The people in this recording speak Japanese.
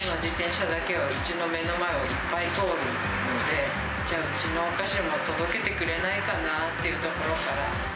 ウーバーイーツの自転車だけはうちの目の前をいっぱい通るので、じゃあ、うちのお菓子も届けてくれないかなっていうところから。